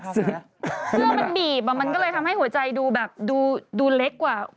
เสื้อมันบีบมันก็เลยทำให้หัวใจดูแบบดูเล็กกว่า